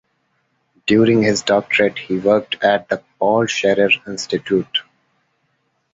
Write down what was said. During his doctorate he worked at the Paul Scherrer Institute.